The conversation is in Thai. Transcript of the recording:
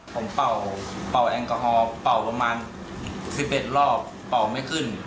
ผมเป่าแอลกอฮอล์เป่าประมาณ๑๑รอบเป่าไม่ขึ้น